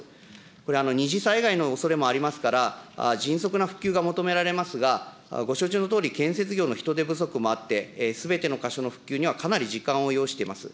これ、二次災害のおそれもありますから、迅速な復旧が求められますが、ご承知のとおり、建設業の人手不足もあって、すべての箇所の復旧にはかなり時間を要しています。